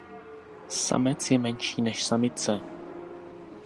Samec je menší než samice.